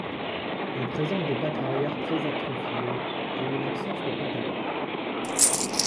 Ils présentent des pattes arrière très atrophiées, et une absence de pattes avant.